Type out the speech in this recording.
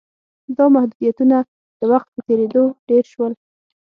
دا محدودیتونه د وخت په تېرېدو ډېر شول